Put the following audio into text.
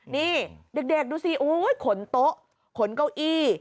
นี่เด็กดูสิขนโต๊ะขนเก้าอี้